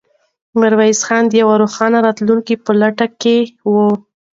میرویس خان د یوې روښانه راتلونکې په لټه کې و.